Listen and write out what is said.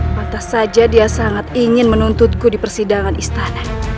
pantas saja dia sangat ingin menuntutku di persidangan istana